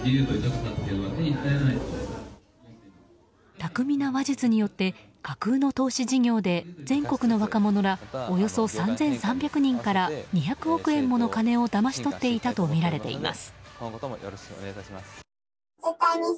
巧みな話術によって架空の投資事業で全国の若者らおよそ３３００人から２００億円もの金をだまし取っていたとみられています。